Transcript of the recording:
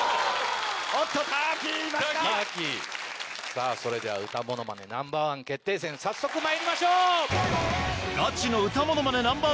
さぁそれでは『歌ものまねＮｏ．１決定戦』早速まいりましょう！